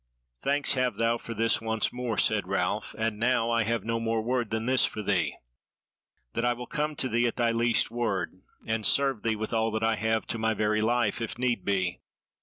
"Thanks have thou for this once more," said Ralph; "and now I have no more word than this for thee; that I will come to thee at thy least word, and serve thee with all that I have, to my very life if need be.